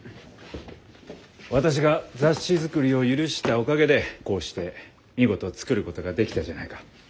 私が雑誌作りを許したおかげでこうして見事作ることができたじゃないか。